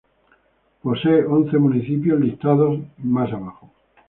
Posee once municipios, listados más abajo.